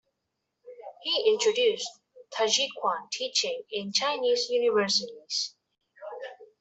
He introduced Taijiquan teaching in Chinese universities.